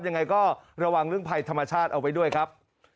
ยังไงก็ระวังเรื่องภัยธรรมชาติเอาไว้ด้วยครับ